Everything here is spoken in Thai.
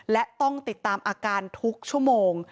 และต้องติดตามอาการทุกชั่วโมง